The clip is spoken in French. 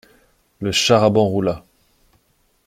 Le char-à-bancs roula.